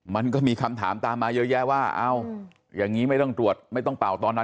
มันก็มีคำถามตามมาเยอะแยะว่าเอ้าอย่างนี้ไม่ต้องตรวจไม่ต้องเป่าตอนนั้น